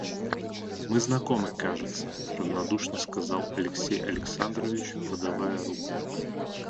Мы знакомы, кажется, — равнодушно сказал Алексей Александрович, подавая руку.